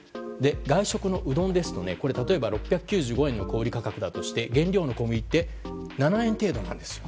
外食のうどんですとこれは例えば６９５円の小売価格だとして原料の小麦って７円程度なんです。